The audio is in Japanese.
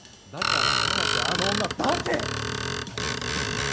だから早くあの女出せ！